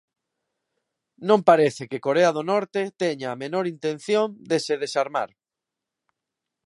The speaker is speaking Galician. Non parece que Corea do Norte teña a menor intención de se desarmar.